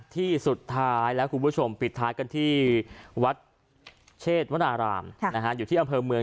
ที่สุดท้ายแล้วคุณผู้ชมปิดท้ายกันที่วัดเชษวนารามอยู่ที่อำเภอเมือง